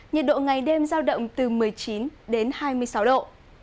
nhiệt độ ngày đêm giao động từ một mươi chín đến hai mươi sáu độ